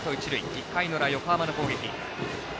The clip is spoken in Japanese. １回の裏、横浜の攻撃。